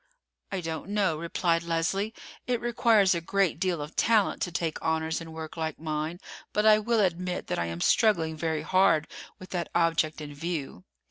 "I don't know," replied Leslie. "It requires a great deal of talent to take honors in work like mine; but I will admit that I am struggling very hard with that object in view."